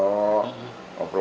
kemudian dari fani